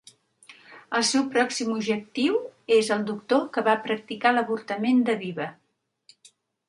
El seu pròxim objectiu és el doctor que va practicar l'avortament d'Aviva.